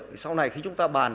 thì sau này khi chúng ta bàn